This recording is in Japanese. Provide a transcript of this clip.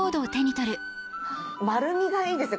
丸みがいいですね